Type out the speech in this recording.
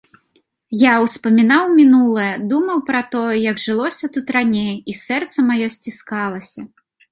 Я ўспамінаў мінулае, думаў пра тое, як жылося тут раней, і сэрца маё сціскалася.